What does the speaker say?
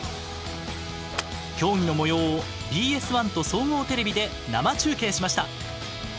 競技のもようをＢＳ１と総合テレビで生中継しました。